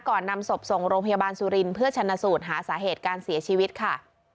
นำศพส่งโรงพยาบาลสุรินทร์เพื่อชนะสูตรหาสาเหตุการเสียชีวิตค่ะ